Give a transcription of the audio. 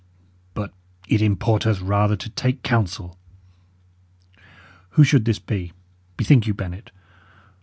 But it importeth rather to take counsel. Who should this be? Bethink you, Bennet.